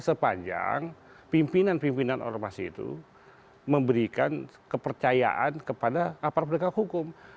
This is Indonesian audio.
sepanjang pimpinan pimpinan orang masa itu memberikan kepercayaan kepada kapal peringkat hukum